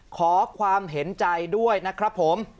ขอความเห็นใจด้วยนะครับผม